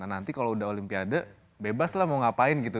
nanti kalau udah olimpiade bebas lah mau ngapain gitu